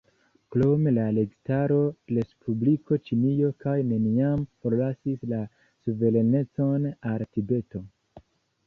Krome, la registaro Respubliko Ĉinio kaj neniam forlasis la suverenecon al Tibeto.